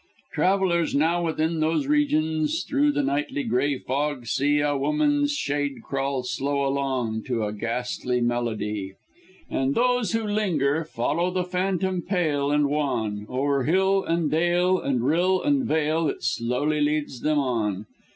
"Travellers now within those regions, Through the nightly grey fog see A woman's shade crawl slow along, To a ghastly melody. "And those who linger follow The phantom pale and wan. O'er hill and dale, and rill and vale It slowly leads them on.